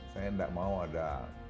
saya tidak mau ada